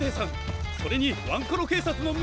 それにワンコロけいさつのみなさん！